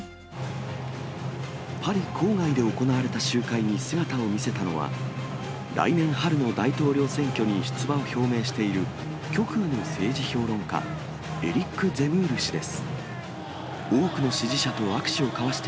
パリ郊外で行われた集会に姿を見せたのは、来年春の大統領選挙に出馬を表明している極右の政治評論家、エリック・ゼムール氏です。